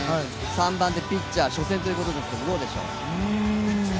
３番でピッチャー、初戦ということですけれども、どうでしょう。